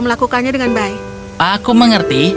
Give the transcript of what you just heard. melakukannya dengan baik pak aku mengerti